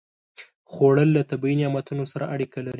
خوړل له طبیعي نعمتونو سره اړیکه لري